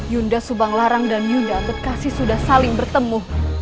yunda subanglarang dan yunda ametkasi sudah saling bertemu